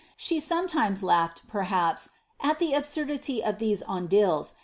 She some times laughed, perhaps, at the absurdity of these on dits.